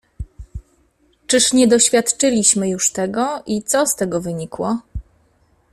"Czyż nie doświadczyliśmy już tego i co z tego wynikło?"